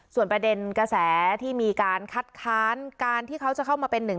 ส่วนประเด็นกระแสที่มีการคัดค้านการที่เขาจะเข้ามาเป็นหนึ่ง